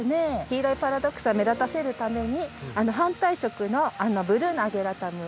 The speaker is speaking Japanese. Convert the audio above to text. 黄色いパラドクサを目立たせるために反対色のブルーのアゲラタム。